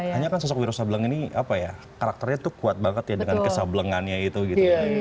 hanya kan sosok wiro sableng ini apa ya karakternya tuh kuat banget ya dengan kesablengannya itu gitu